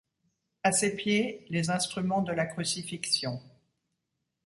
À ses pieds, les instruments de la crucifixion.